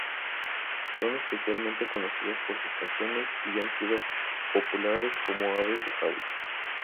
Son especialmente conocidas por sus canciones y han sido populares como aves de jaula.